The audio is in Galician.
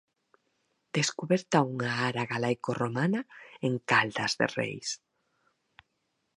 Descuberta unha ara galaico-romana en Caldas de Reis